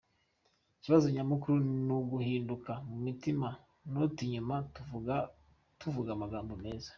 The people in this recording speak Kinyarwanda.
Ikibazo nyamukuru ni uguhinduka mumitima not inyuma tuvuga amagambo meza.